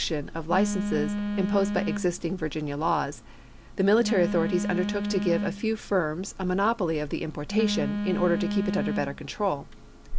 tion of licenses imposed by existing Virginia laws ; the military authorities undertook to give a few firms a monopoly of the importation, in order to keep it under better control.